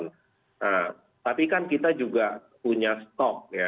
nah tapi kan kita juga punya stok ya